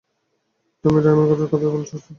তুমি রাইমের সাথে কথা বলছো?